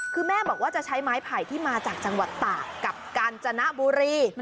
คือแม่บอกว่าจะใช้ไม้ไผ่ที่มาจากจังหวัดตากกับกาญจนบุรี